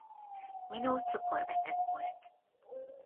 Minot cukorbeteg volt.